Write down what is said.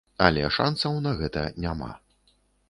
Але шанцаў на гэта няма.